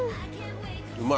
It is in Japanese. うまい。